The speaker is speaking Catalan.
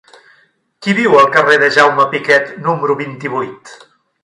Qui viu al carrer de Jaume Piquet número vint-i-vuit?